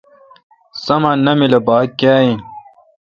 سامان نامل اؘ باگ کیا این۔